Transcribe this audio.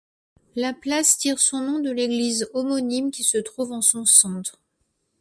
La place tire son nom de l'église homonyme qui se trouve en son centre.